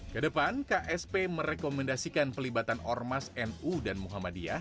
ke depan ksp merekomendasikan pelibatan ormas nu dan muhammadiyah